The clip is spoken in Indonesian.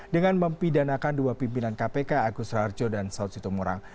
dengan mempidanakan dua pimpinan kpk agus rarjo dan saud sitomorang